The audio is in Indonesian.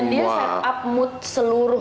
dia set up mood seluruh